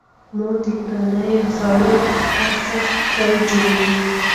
مور د کورنۍ غړو ته صحي چای جوړوي.